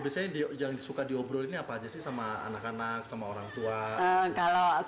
biasanya yang suka diobrol ini apa aja sih sama anak anak sama orang tua